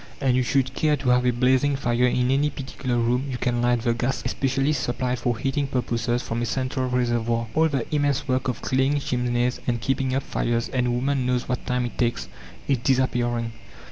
And should you care to have a blazing fire in any particular room you can light the gas specially supplied for heating purposes from a central reservoir. All the immense work of cleaning chimneys and keeping up fires and woman knows what time it takes is disappearing.